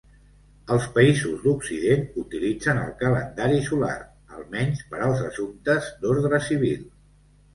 Els països d'Occident utilitzen el calendari solar, almenys per als assumptes d'ordre civil.